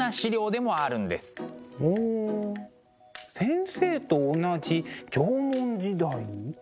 ほう先生と同じ縄文時代。